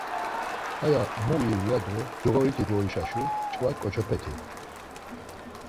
Haya mu ivu ya do coğoriti goişaşu çkva ǩoçepeti.